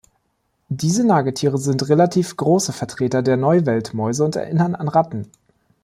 Diese Nagetiere sind relativ große Vertreter der Neuweltmäuse und erinnern an Ratten.